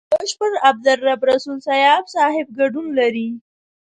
بشپړ عبدالرب رسول سياف صاحب ګډون لري.